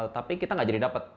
tapi kita nggak jadi dapet